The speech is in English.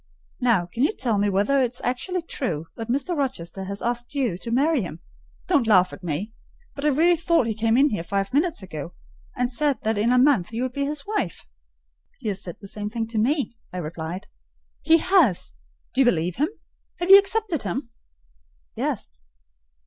Now, can you tell me whether it is actually true that Mr. Rochester has asked you to marry him? Don't laugh at me. But I really thought he came in here five minutes ago, and said that in a month you would be his wife." "He has said the same thing to me," I replied. "He has! Do you believe him? Have you accepted him?" "Yes."